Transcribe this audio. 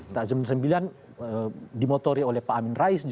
tahun seribu sembilan ratus sembilan puluh sembilan dimotori oleh pak amin rais justru